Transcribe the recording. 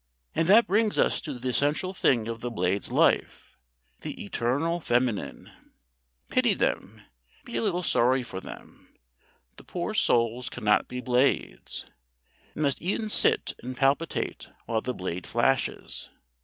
And that brings us to the central thing of the Blade's life, the eternal Feminine! Pity them, be a little sorry for them the poor souls cannot be Blades. They must e'en sit and palpitate while the Blade flashes.